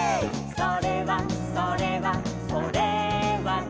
「それはそれはそれはね」